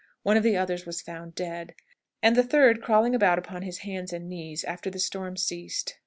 One of the others was found dead, and the third crawling about upon his hands and knees, after the storm ceased.